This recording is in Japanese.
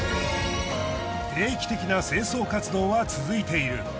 定期的な清掃活動は続いている。